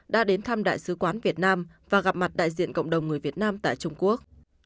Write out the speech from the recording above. đã đến thăm đại sứ quán việt nam và gặp mặt đại diện cộng đồng người việt nam tại trung quốc